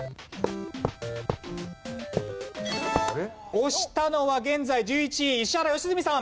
押したのは現在１１位石原良純さん。